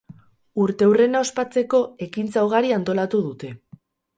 Urteurrena ospatzeko, ekintza ugari antolatu dute.